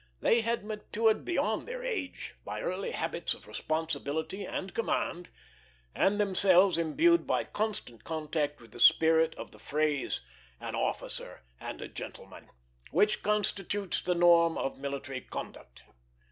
They were matured beyond their age by early habits of responsibility and command, and themselves imbued by constant contact with the spirit of the phrase "an officer and a gentleman," which constitutes the norm of military conduct.